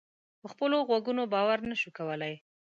په خپلو غوږونو باور نه شو کولای.